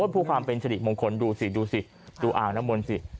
พูดความเป็นสริมงคลดูสิดูอ่าน้ำมนต์สิ